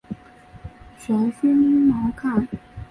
玄孙毛堪。